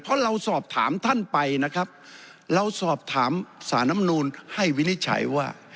เพราะเราสอบถามท่านไปนะครับเราสอบถามสารน้ำนูลให้วินิจฉัยว่า